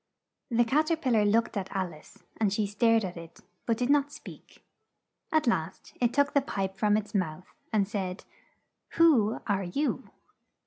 The Cat er pil lar looked at Al ice, and she stared at it, but did not speak. At last, it took the pipe from its mouth and said, "Who are you?"